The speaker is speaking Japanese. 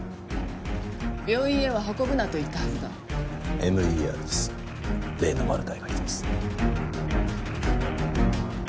病院へは運ぶなと言ったはずだＭＥＲです例のマルタイが来てます